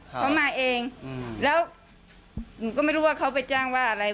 เขามาเองแล้วหนูก็ไม่รู้ว่าเขาไปจ้างว่าอะไร